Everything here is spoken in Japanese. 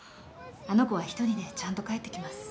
あの子は一人でちゃんと帰ってきます。